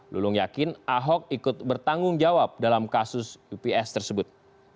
lulung yakin ahok ikut bertanggung jawab dalam kasus ups tersebut